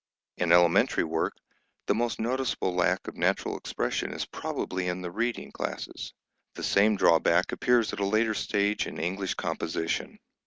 In elementary work, the most noticeable lack of natural expression is probably in the reading classes; the same drawback appears at a later stage in English composition.